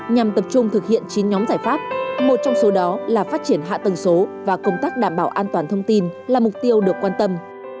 nhằm tập trung thực hiện chín nhóm giải pháp một trong số đó là phát triển hạ tầng số và công tác đảm bảo an toàn thông tin là mục tiêu được quan tâm